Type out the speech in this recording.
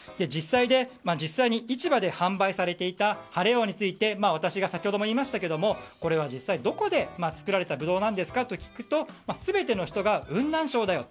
実際に市場で販売されていた晴王について私が先ほども言いましたがこれは実際どこで作られたブドウなんですか？と聞くと全ての人が雲南省だよ。